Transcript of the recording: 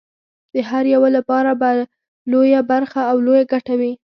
د هر یوه لپاره به لویه برخه او لویه ګټه وي.